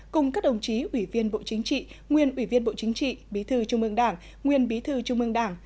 cùng các đồng chí ủy viên bộ chính trị nguyên ủy viên bộ chính trị bí thư trung ương đảng nguyên bí thư trung ương đảng